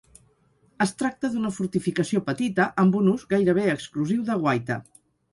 Es tracta d'una fortificació petita, amb un ús gairebé exclusiu de guaita.